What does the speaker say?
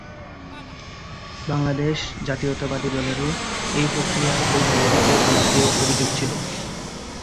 বাংলাদেশ জাতীয়তাবাদী দলেরও এই প্রক্রিয়া ও বিরোধীদের বিরুদ্ধে অভিযোগ ছিল।